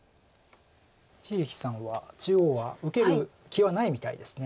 一力さんは中央は受ける気はないみたいです。